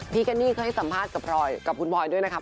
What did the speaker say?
พี่แคนดี้เคยให้สัมภาษณ์กับคุณพลอยด้วยนะคะ